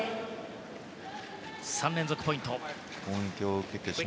３連続ポイントです。